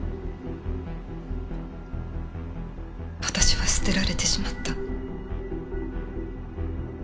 私は捨てられてしまった。